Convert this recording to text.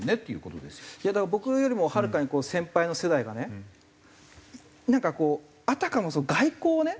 いやだから僕よりもはるかに先輩の世代がねなんかこうあたかも外交をね